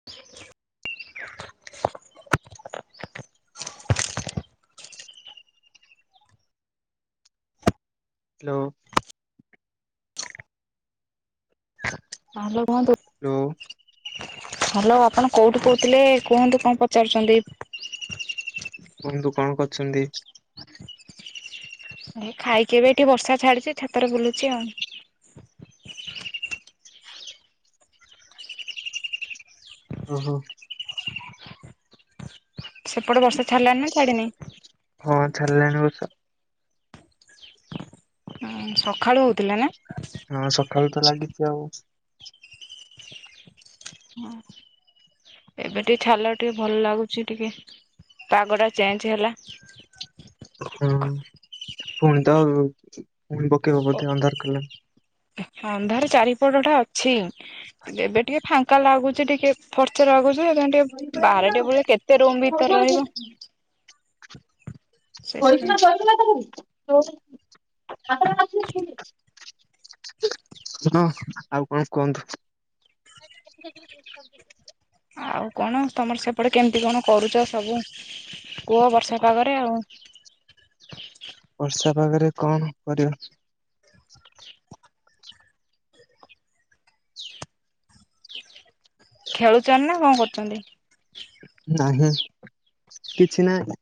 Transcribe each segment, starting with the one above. [inaudible] [inaudible] Hello ତାହେଲେ କୁହନ୍ତୁ। Hello. Hello ଆପଣ କୋଉଠୁ କୋଉଥିଲେ କୁହନ୍ତୁ କଣ ପଚାରୁଚନ୍ତି? ବନ୍ଧୁ କଣ କରିଛନ୍ତି? ଏଇ ଖାଇକି ଏବେ ଟିକେ ବର୍ଷା ଛାଡିଛି ଛାତରେ ବୁଲୁଛି ଆଉ। ଓହୋ। ସେ ପଟେ ବର୍ଷା ଛାଡ଼ିଲାଣି ନା ଛାଡ଼ିନି। ହଁ ଛାଡିଲାଣି ବର୍ଷା। ହଁ ସଖାଳୁ ହେଉଥିଲା ନା। ହଁ ସକାଳୁ ତ ଲାଗିଚି ଆଉ। ହଁ ଏବେ ଟିକେ ଛାଡ଼ିଲା ଟିକେ ଭଲ ଲାଗୁଛି ଟିକେ ପାଗଟା ଚେଞ୍ଜ ହେଲା। ହଁ ପୁଣି ତ ପୁଣି ପକେଇବ ବୋଧେ ଅନ୍ଧାର କଲା। ଅନ୍ଧାର ଚାରିପଟଟା ଅଛି କିନ୍ତୁ ଏବେ ଟିକେ ଫାଙ୍କା ଲାଗୁଚି ଟିକେ ଫର୍ଚା ଲାଗୁଚି ସେଥିପାଇଁ ଟିକେ ବାହାରେ ଟିକେ ବୁଲି କେତେ ରୁମ୍ ଭିତରେ ରହିବ। ସେଥିପାଇଁ। [unintelligible] ହଁ ଆଉ କଣ କୁହନ୍ତୁ? ଆଉ କଣ ତମର ସେପଟେ କେମିତି କଣ କରୁଚ ସବୁ କୁହ ବର୍ଷା ପାଗରେ ଆଉ। ବର୍ଷା ପାଗରେ କଣ କରିବା? ଖେଳୁଚନ୍ତି ନା କଣ କରୁଚନ୍ତି? ନାଁ ନାଁ କିଛି ନାହିଁ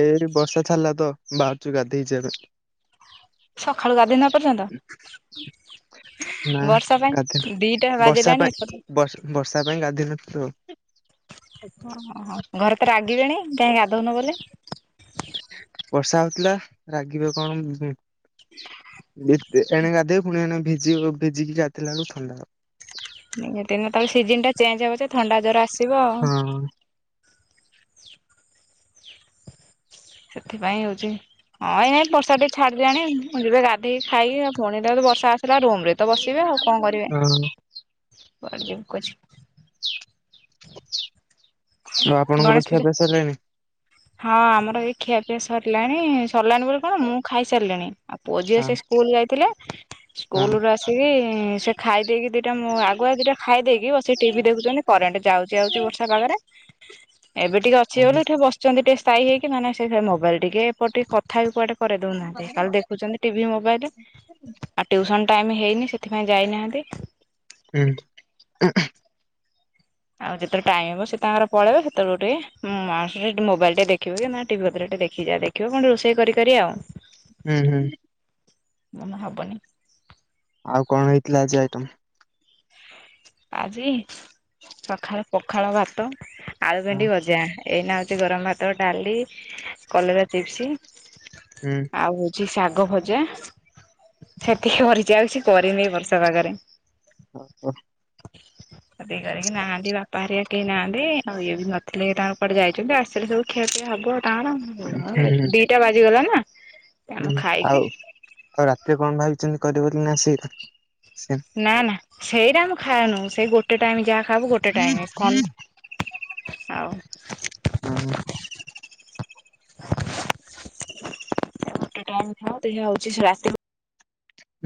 ଏଇ ବର୍ଷା ଛାଡ଼ିଲା ତ ବାହାରୁଚୁ ଗାଧେଇ ଯିବା ପାଇଁ। ସଖାଳୁ ଗାଧେଇ ନ ଏ ପର୍ଯ୍ୟନ୍ତ ନା ବର୍ଷା ପାଇଁ ଦିଟା ବାଜିଲାଣି ଏ ପର୍ଯ୍ୟନ୍ତ ବଷ୍ ବର୍ଷା ପାଇଁ ଗାଧେଇ ନଥିଲୁ ଆଉ। ଓହୋ ଘରେ ତ ରାଗିବେଣି କାହିଁ ଗାଧୋଉନ ବୋଲି। ବର୍ଷା ହଉଥିଲା ରାଗିବ କଣ? ଉଁ ଭିତେ ଏଣେ ଗାଧୋଇ ପୁଣି ଏଣେ ଭିଜି ଭିଜିକି ଗାଧେଇଲା ବେଳକୁ ଥଣ୍ଡା ହବ। ଦିନେ ଦିନେ ତଳେ ସିଜିନଟା ଚେଞ୍ଜ୍ ହବ ଯେ ଥଣ୍ଡା ଜ୍ୱର ଆସିବ ଆଉ। ହବ ସେଥିପାଇଁ ହଉଛି। ହଁ ଏଇ ବର୍ଷା ଟିକେ ଛାଡଲାଣି ଯିବେ ଗାଧୋଇ ଖାଇବେ ଆଉ ପୁଣି ତାର ବର୍ଷା ଆସିଲେ ରୁମରେ। ତ ବସିବେ ଆଉ କଣ କରିବେ? ହଁ ହଁ କୁଆଡ଼େ ଯିବୁ ଖୋଜ୍ ସୁ ଆପ୍। ଗଣେଶ ପୂଜା। ହଁ ଆମର ଏଇ ଖିଆପିଆ ସରିଲାଣି ସରିଲାଣି ବୋଲି କଣ ମୁଁ ଖାଇସାରିଲିଣି। ଆଉ ପୁଅ ଝିଅ ହଁ ସେ ସ୍କୁଲ ଯାଇଥିଲେ। ହଁ ସ୍କୁଲରୁ ଆସିକି ସେ ଖାଇ ଦେଇକି ଦିଟା ମୁଁ ଆଗୁଆ ଦିଟା। ଖାଇଦେଇକି ବସିକି ଟିଭି ଦେଖୁଚନ୍ତି କରେଣ୍ଟ ଯାଉଚି ଆଉଚି ବର୍ଷା ପାଗରେ। ଏବେ ଟିକେ ଅଛିି ହଁ ବୋଲି ହଁ, ଏଠି ବସିଛନ୍ତିି ଟିକେ ସ୍ଥାୟୀ ହେଇକି ନହେନେ ସେ ମୋବାଇଲ ଟିକେ ଏପଟେ କ କଥା ବି କୁଆଡ଼େ କରିଦଉନାହାନ୍ତି। କାଲି ଦେଖୁଛନ୍ତି ଟିଭି ମୋବାଇଲ ଆଉ ଟ୍ୟୁସନ ଟାଇମ ହେଇନି ସେଥିପାଇଁ ଯାଇନାହାନ୍ତି। ହୁଁ ଆଉ ଯେତେବେଳେ ଟାଇମ୍ ହବ ସେ ତାଙ୍କର ପଳେଇବେ ସେତେବେଳେକୁ ଟିକେ ମୋ ମାଉସୀର ମୋବାଇଲ ଟିକେ ଦେଖିବି କି ନା ଟିଭି ପତ୍ର ଟିକେ ଦେଖିଯାଆ। ଦେଖ୍ ଦେଖିବା କଣ ରୋଷେଇ କରି କରି ଆଉ। ଉଁ ହୁଁ ମନ ହବନି। ଆଉ କଣ ହେଇଥିଲା ଆଜି ଆଇଟମ୍? ଆଜି ସଖାଳୁ ପଖାଳ ଭାତ ଆଳୁ ହଁ ଭେଣ୍ଡି ଭଜା। ଏଇନା ହେଇଛି ଗରମ ଭାତ ଡାଲି କଲରା ଚିପ୍ସ। ହୁଁ ଆଉ ହଉଛି ଶାଗଭଜା ସେତିକି କରିଛି ଆଉ କିଛି କରିନି ଏଇ ବର୍ଷା ପାଗରେ। ହଁ ହଁ ସେତିକି କରିକି ନାହାନ୍ତି ବାପା ହେରିକା କେହି ନାହାନ୍ତି ଆଉ ଇଏ ବି ନଥିଲେ ତାଙ୍କ କୁଆଡେ ଯାଇଛନ୍ତି ଆସିଲେ ସବୁ ଖିଆପିଆ ହବ ହୁଁ ତାଙ୍କର ହୁଁ ଦିଟା ବାଜିଗଲା ନା। ଆମେ ହୁଁ ଖାଇକି ଆଉ ଆଉ ରାତିରେ କଣ ଭାବିଛନ୍ତି କରିବେ ବୋଲି ନାସ ସେଇଟା ସେଇଆ ନା ନା ସେଇଟା ଆମେ ଖାଇନୁ ସେଇ ଗୋଟେ ଟାଇମ ଯାହା ଖାଇବୁ ଗୋଟେ ଟାଇମ ଥଣ୍ଡା ଆଉ ହୁଁ ହୁଁ ଗେଟେ ଟାଇମ୍ [unintelligible] ହଉଛି ସେ ରାତିକୁ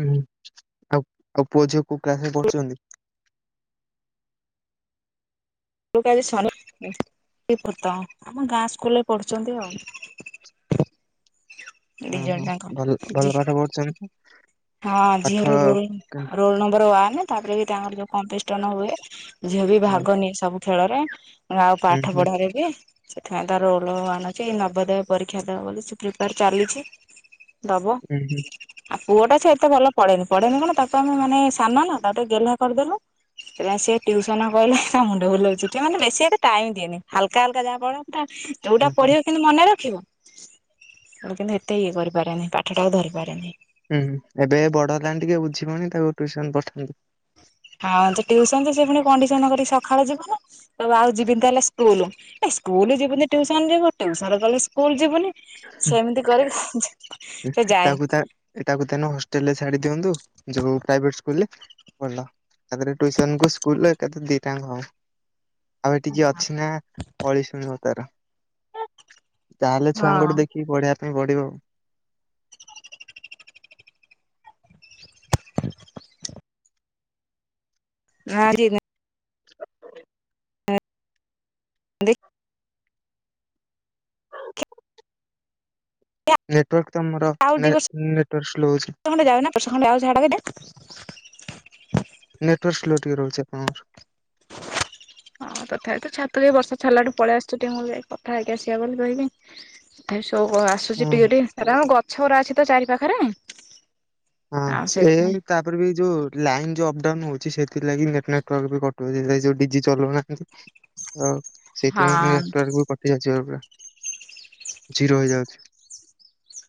ହୁଁ ଆଉ ଆଉ ପୁଅ ଝିଅ କୋଉ କ୍ଲାସ ରେ ପଢୁଛନ୍ତି? [inaudible] ଆମ ଗାଁ ସ୍କୁଲରେ ପଢ଼ୁଛନ୍ତି ଆଉ। ହଁ ଦି ହଁ ଜଣ ଯାଙ୍କ ଭଲ [unintelligible] ହଁ ପାଠ ଝିଅ ର ରୋଲ୍ ହୁଁ ରୋଲ ନମ୍ବର ୱାନ ତାପରେ ବି ତାଙ୍କର ଯୋଉ କଟେଷ୍ଟନ ହୁଏ। ଝିଅ ବି ଭାଗ ନିଏ ସବୁ ଖେଳରେ ଆଉ ହୁଁ ପାଠ ହୁଁ ପଢାରେ ବି। ସେଥିପାଇଁ ତା ରୋଲ ଆଣୁଛି ନବୋଦୟ ପରୀକ୍ଷା ଦବ ବୋଲି ସେ ପ୍ରିପାର ଚାଲିଛି। ଦବ ହୁଁ ହୁଁ ଆଉ ପୁଅଟା ସେ ଏତେ ଭଲ ପଢେନି ପଢେନି ମନେ ତାକୁ ଆମେ ମାନେ ସାନ ନା ତାକୁ ଟିକେ ଗେହ୍ଲା କରିଦେଲୁ। ନା ସିଏ ଟିଉସନ ଗଲେ ତା ମୁଣ୍ଡ ବୁଲଉଛି ସିଏ ମାନେ ବେଶି ଟାଇମ୍ ଦିଏନି ହାଲକା ହଲକା ଯା ପଢ଼ନ୍ତା। ଯୋଉଟା ହଁ ହଁ ପଢିବ କିିନ୍ତୁ ମନେ ରଖିବ କିନ୍ତୁ ଏତେ ଇଏ କରିପାରେନି ପାଠଟାକୁ ଧରିପାରେନି। ହୁଁ ଏବେ ବଡ ହେଲାଣି ଟିକେ ବୁଝିବଣି ତାକୁ ଟ୍ୟୁସନ ପଠାନ୍ତୁ। ହଁ ସେ ଟ୍ୟୁସନ ଯେ ସେ ପୁଣି କଣ୍ଡିସନ୍ କରି ସକାଳୁ ଯିବ ନି। ତ ଆଉ ଯିବିନି ତାହେଲେ ସ୍କୁଲ ଏ ସ୍କୁଲ ଯିବୁନୁ ଟ୍ଯୁସନ ଯିବୁ ଟ୍ଯୁସନ କଲେ ସ୍କୁଲ ଯିବୁନି। ହୁଁ, ସେମିତି କରିକି ସେ ଯାଏ। ଏଇଟାକୁ ଦେନ୍ ହଷ୍ଟେଲ ରେ ଛାଡି ଦିଅନ୍ତୁ ଯୋଉ ପ୍ରାଇଭେଟ୍ ସ୍କୁଲ ରେ ଭଲ ଆଧିରେ ଟ୍ଯୁସନ କୁ ସ୍କୁଲ ଏକାଥରେ ଦିଟାଙ୍କ ହବ। ଆଉ ଏଠି କିଏ ଅଛି ନା ପଳେଇଛନ୍ତି ସବୁ ତାର ତାହେଲେ ହଁ ଛୁଆଙ୍କଠୁ ଦେଖିକି ପଢିବା ପାଇଁ ପଡିବ ଆଉ। [inaudible] ନେଟୱାର୍କ ତମର ଆଉ ଦି ବର୍ଷ ନେଟ ନେଟୱାର୍ ସ୍ଲୋ ଅଛି। [unintelligible] ନେଟୱାର୍କ ସ୍ଲୋ ଟିକେ ରହୁଛି ଆପଣଙ୍କର। ହଁ ତଥାପି ତ ଛାତକୁ ଏ ବର୍ଷା ଛାଡ଼ିଲାଠୁ ପଳେଇ ଆସିଛି ମୁଁ କହିଲି ଯାଇକି କଥା ହେଇକି ଆସିବା ବୋଲି କହିକି। ତଥାପି ସୋ ଆସୁଛି ହୁଁ। ଟିକେ ଟିକେ ଆରେ ଆମ ଗଛ ଗୁଡା ଅଛି ତ ଚାରି ପାଖରେ ହଁ ଆଉ ସେ ସେଇଥିପାଇଁ ତାପରେ ବି ଯୋଉ ଲାଇନ୍ ଯୋଉ ଅପଡାଉନ ହଉଛି ସେଥିଲାଗି ନେଟୱାର୍କ ବି କଟୁଛି ଯୋଉ ଡିଜି ଚଲୁ ନା। ଆଉ ସେଥିପାଇଁ ହଁ ନେଟୱାର୍କ ବି କଟୁ ରେଜିଅପା ଜିରୋ ହେଇଯାଉଛି।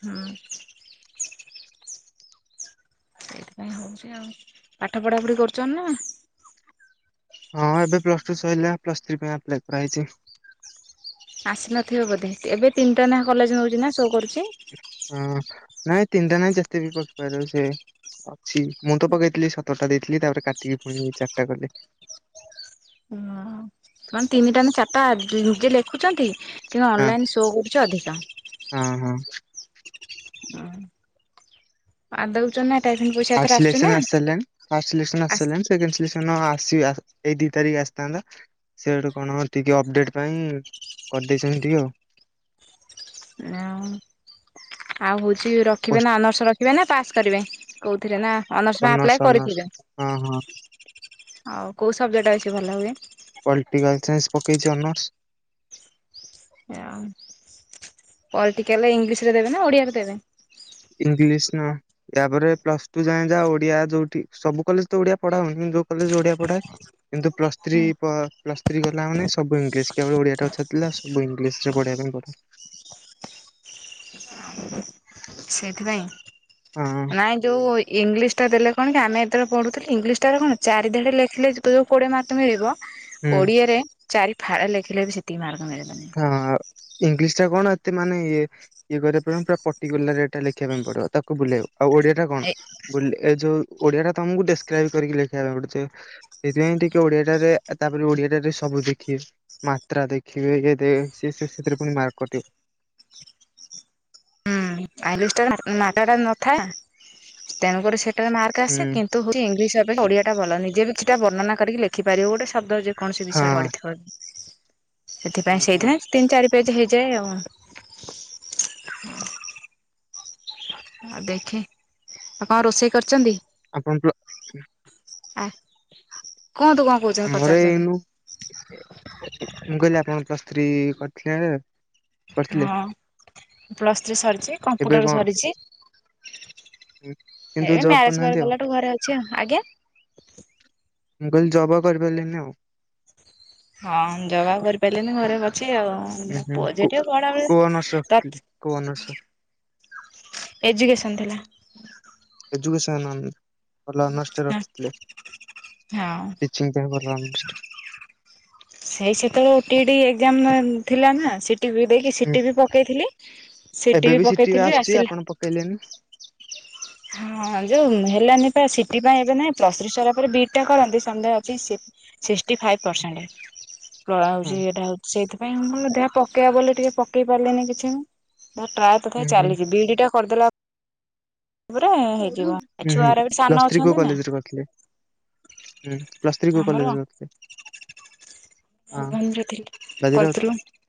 ହୁଁ। ହେଇଥିପାଇଁ ହଉଛି ଆଉ ପାଠ ପଢ଼ାପଢ଼ି କରୁଛନ୍ତି ନା? ହଁ ଏବେ ପ୍ଲସ ଟୁ ସଇଲା ପ୍ଲସ୍ ଥ୍ରୀ ପାଇଁ ଆପ୍ଲାଏ କରାହେଇଛି। ଆସିନଥିବ ବୋଧେ ଏବେ ତିନିଟା ନାଖା କଲେଜ ନଉଛି ନା ଶୋ କରୁଛି। ହଁ ନାଇଁ ତିନିଟା ନାଇଁ ଯେତେବି କରିପାରିବ ସେ ଅଛି ମୁଁ ତ ପକେଇଥିଲି ସତରଟା ଦେଇଥିଲି ତାପରେ କାଟିକି ପୁଣି ଚାରିଟା କଲି। ହଁ। କଣ ତିନିଟା ନା ଚାରିଟା ନିଜେ ଲେଖୁଛନ୍ତି କିନ୍ତୁ ହଁ ଅନଲାଇନ ଶୋ କରୁଛି ଅଧିକ। ହଁ ହଁ। ଓ ପାଦଉଛନା [unintelligible] ଫାର୍ଷ୍ଟ ସିଲେକ୍ସନ୍ ଆସି ସରିଲାଣି ଫାର୍ଷ୍ଟ ସିଲେକ୍ସନ୍ ଆସି ସାରିଲାଣି। ସେକେଣ୍ଡ ସିଲେକ୍ସନ ଆସିବ ଏଇ ଦି ତାରିଖ ଆସିଥାନ୍ତା? ସିଆଡୁ କଣ ଟିକେ ଅପଡେଟ ପାଇଁ କରିଦେଇଛନ୍ତି ଟିକେ ଆଉ। ଆ ଆଉ ହଉଛି ରଖିବେ ପୋଷ୍ଟ ନା ଆନର୍ସ ରଖିବେ ନା ପାସ୍ କରିବେ। କହୁଥିରେ ନା ଅନର୍ସ ପାଇ ଆପ୍ଲାଏ ଅନର୍ସ କରିଥିବେ? ହଁ ହଁ ଆଉ କୋଉ ସବଜେକ୍ଟ ବେଶୀ ଭଲ ହୁଏ? ପଲିଟିକାଲ ସାଇନ୍ସି ପକେଇଛି ଅନର୍ସ। ଗାଈ ପଲିଟିକାଲ ଇଂଲିଶ ରେ ଦେବେ ନା ଓଡିଆରେ ଦେବେ? ଇଂଲିଶ ନା। ୟାପରେ ପ୍ଲସ ଟୁ ଯାଏ ଯା ଓଡିଆ ଯଉଠି ସବୁ କଲେଜ ତ ଓଡିଆ ପଢା ହଉନି କିନ୍ତୁ ଯୋଉ କଲେଜ ଓଡିଆ ପଢା କିନ୍ତୁ ପ୍ଲସ୍ ଥ୍ରୀ ପ୍ଲସ୍ ଥ୍ରୀ ଗଲା ମାନେ ସବୁ ଇଂଲିଶ କେବଳ ଓଡିଆଟା ଛାଡି ଦେଲେ ସବୁ ଇଂଲିଶରେ ପଢ଼ିବା ପାଇଁ ପଡ଼। ହଁ ସେଇଥିପାଇଁ ନାଇଁ ଯୋଉ ଇ ଇଂଲିଶଟା ଦେଲେ କଣ କି। ଆମେ ଯେତେ ବେଳେ ପଢ଼ୁଥିଲେ। ଇଂଲିଶ ଟାରେ କଣ ଚାରି ଧାଡ଼ି ଲେଖିଲେ ଯୋଉ କୋଡ଼ିଏ ମାର୍କ ଟା ମିଳିବ। ହୁଁ। ଓଡିଆରେ ଚାରି ଫାଳ ଲେଖିଲେ ବି ସେତିକି ମାର୍କ ମିଳିବନି। ହଁ ଇଂଲିଶ ଟା କଣ ଏତେ ମାନେ ଇଏ ଇଏ କରିବାକୁ ପଡିବ ପୁରା ପର୍ଟିକୁଲାରଇଟା ଲେଖିବା ପାଇଁ ପଡିବ ତାକୁ ବୁଲେଇବ ଆଉ ଓଡିଆ ଟା କଣ? ଏ ଏ ଯୋଉ ଓଡିଆ ଟା ତମକୁ ଡେସକ୍ରାଇବ କରିକି ଲେଖେଇିବାକୁ ପାଇଁ ପଡୁଥିବ। ସେଥିପାଇଁ ଟିକେ ଓଡିଆଟାରେ ତାପରେ ଓଡିଆଟାରେ ସବୁ ଦେଖିବେ ମାତ୍ରା ଦେଖିବେ ତେ ସେ ସେଥିରେ ପୁଣି ମାର୍କ କଟିବ। [unintelligible] ତେଣୁ କରି ସେଟାରେ ମାର୍କ ହୁଁ ଆସେ କି କିନ୍ତୁ ଇଂଲିଶ ଅପେକ୍ଷା ଓଡିଆ ଟା ଭଲ ନିଜେ କିଛି ଟା ବର୍ଣ୍ଣନା କରି ଲେଖିପାରିବ ଗୋଟେ ଶବ୍ଦ ଯେ କୌଣସି ବିଷୟରେ ହଁ। ପଡିଥାଉ ହୁଁ ସେଥିପାଇଁ ହୁଁ। ସେଇଥିାଇଁ ତିନି ଚାରି ପେଜ ହେଇଯାଏ ଆଉ। ହୁଁ। ଆଉ ଦେଖେ ଆଉ କଣ ରୋଷେଇ କରିଛନ୍ତି? ଆପଣ ପିଅ ଆ କଣ ତୁ କଣ କହୁ ଆମର ଏଇନୁ ମୁଁ କହିଲି ଆପଣ ପ୍ଲସ୍ ଥ୍ରୀ କରିଥିଲେ କରିଥିଲେ ହଁ ପ୍ଲସ୍ ଥ୍ରୀ ସରିଛି ଏବେ କମ୍ପ୍ୟୁଟର କଣ ସରିଛି। କିନ୍ତୁ ଏବେ ଜବ୍ ମ୍ୟାରେଜ କରିନାହାନ୍ତି ଆଉ କରିକଲା ଠୁ ଘରେ ଅଛି ଆଉ ଆଜ୍ଞା। ମୁଁ କହିଲି ଯବ ଆଉ କରିପାରିଲିନି ଆଉ। ହଁ ଯବ କରିପାରିଲିନି ଘରେ ଅଛି ଆଉ। [inaudible] ଉଁ ହୁଁ କୋଉ ଅନର୍ସ ରଖିଥିଲେ କୋଉ ଅନର୍ସ ଏଜୁକେସନ ଥିଲା। ଏଡିକେସନ ଭଲ ହୋନର୍ସ ଟେ ରଖି ଥିଲେ ହଁ କୋଚିଙ୍ଗ। [unintelligible] ସେଇ ସେତେବେଳେ ଓଟି ଓଟି ଏକ୍ସାମ ଥିଲା ନା। ସିଟି ବି ପକାଇ ଥିଲି ହୁଁ ସିଟି ବି ପକେଇଥିଲି ସିଟି ବି ପକେଇଥିଲି ଆସିଲା। କହିଲେନି। ହଁ ଯୋଉ ହେଲାନି ପା ସିଟି ପାଇଁ ଏବେ ନାହିଁ ପ୍ଲୌସ ଥ୍ରୀ ହେଲା ପରେ ଦି ଟା କରନ୍ତି ସଦୟ ଅଛି। ସିକ୍ଟି ଫାଇଭ ପର୍ସିସେଣ୍ଟ ହଁ ଏଇଟା ହଉଛି। ସେଇଥିପାଇଁ ମୁଁ ପକାଇବା ବୋଲି ପାଇଁ କିଛି ପକେଇ ବୋଲି ଟିକେ ପକେଇ ପାରିଲିନି କିଛି। [unintelligible] ତଥାବି ହୁଁ ହୁଁ ଚାଲିଛି ବିଡି ଟା କରିଦେଲା। ପରେ ହୁଁ ହେଇଯିବ ଏ ଛୁଆରା ବି ସାନ ପ୍ଲସ୍ ଥ୍ରୀ ଅଛନ୍ତି କୋଉ ନା କଲେଜରେ କରିଥିଲେ। ହୁଁ ପ୍ଲସ୍ ଥ୍ରୀ କୋଉ ଆମର କଲେଜରେ କରି ଥିଲେ। ବାଜିରାଉତ [inaudible]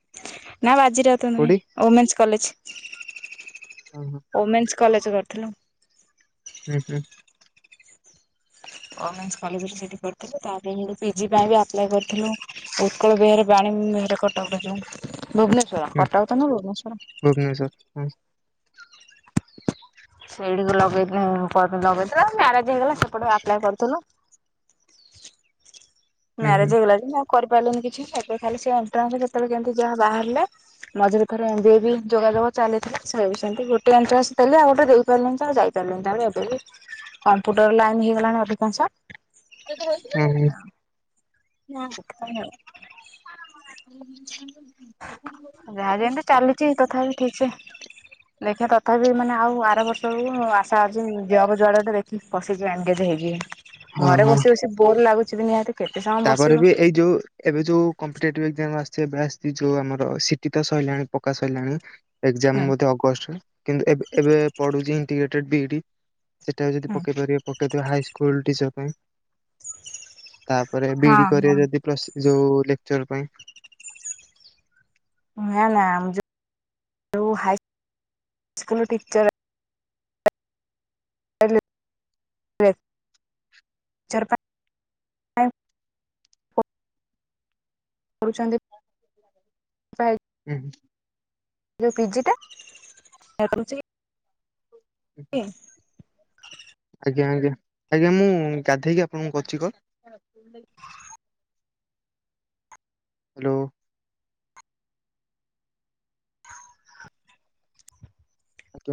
ନା ବାଜି ରାଉତୁ ନୁହେଁ କୋଉଠି ଓମେନ୍ସ କଲେଜ। ହଁ ହଁ। ଓମେନ୍ସ କଲେଜ କରିଥିଲୁ। ହୁଁ ହୁଁ। ଓମେନ୍ସେ କଲେଜ୍ ସେଠି କରିଥିଲୁ ତାପରେ ପିଜି ପାଇଁ ଅପ୍ପଳୟ କରିଥିଲୁ। ଉତ୍କଳ ବିହର ବାଣୀ ବିହାରା କଟକରେ ଯୋ ଭୁବନେଶ୍ୱର କଟକ ତ ନୁହେଁ ଭୁବନେଶ୍ୱର। ଭୁବନେଶ୍ୱଵର ହଁ। ସେଇଠି ଲଗେଇ ଲଗେଇଥିଲ ମ୍ୟାରେଜ ହେଇଗଲା ସେପଟେ ଆପ୍ଲାଏ କରିଥିଲୁ। ହୁଁ ମ୍ୟାରେଜ ହୁଁ ହେଇଗଲା ଆଉ କରିପାରିଲନି କିଛି ସେ ଖାଲି ସେ ଏଣ୍ଟ୍ରାନ୍ସ କେତେବେଳେ କେମିତି ଯାହା ବାହାରିଲା। ମଝିରେ ଥରେ ଏ ବି ଯୋଗାଯୋଗ ଚାଲିଥିଲା ସେଉ ସେମତି ଗୋଟେ ଅଞ୍ଚଳ ଆସିଲି ଆଉ ଗୋଟେ ଦେଇପାରିଲେି ଆଉ ଯାଇଥିଲି। [unintelligible] କମ୍ପୁଟର ଲାଇନ ହେଇଗଲାଣି ଅଧିକାଂଶ। ହଁ। କଟକ। [inaudible] ଯାହା ଯେମତି ଚାଲିଛି ତଥାପି ଠିକ୍ ସେ। ଦେଖିବା ତଥାପି ମାନେ ଆଉ ଆର ବର୍ଷ ଆସା ଅଛି ଝିଅ ଯୁଆଡେରେ ଦେଖ। ବସିକି ଏନ୍ଗେଜ୍ ହେଇଯିବା ହଁ ଘରେ ହଁ ବସି ବସି ବୋର ଲାଗୁଛିି ନିହାତି। କେତେ ସମୟ ତାପରେ ବସିବ ହୁଁ ବି ଏଇ ଯୋଉ। ଏବେ ଯୋଉ କମ୍ପି ଏ ଆସି ଏବେ ଆସି ଯୋଉ ଆମର ସିଟି ତ ସରିଲାଣି ପକ୍କା ସରିଲାଣି। ଏଜାମ ହୁଁ ଅଗଷ୍ଟରେ କିନ୍ତୁ ଏବେ ପଢୁଛି ଇଣ୍ଗ୍ରେ ବିଡି। ସେଟା ଯଦି ପକେଇ ପାରିବେ ପକେଇଦେବେ ହାଇସ୍କୁଲ ଟିଚର ପାଇଁ। ତା ପରେ ହଁ ବିଇଡି ହଁ କରିବା ଯଦି ଯୋଉ ଲେକ୍ଚର ପାଇଁ। ନାଁ ନାଁ ଯୋଉ ହାଇସ୍କୁଲ ଟିଚର ଟିଚର [unintelligible] ଟିଚର ପାଇଁ। କରୁଚନ୍ତି। ହୁଁ। ଯୋଉ ପିଜି ଟା। [unintelligible] [inaudible] ଆଜ୍ଞା ଆଜ୍ଞା ଆଜ୍ଞା ମୁଁ ଗାଧେଇକି ଆପଣଙ୍କୁ କରୁଚି କଲ୍। [unintelligible] ହ୍ୟାଲୋ। [inaudible] ଆଜ୍ଞା।